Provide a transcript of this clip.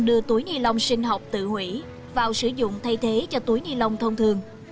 đưa túi ni lông sinh học tự hủy vào sử dụng thay thế cho túi ni lông thông thường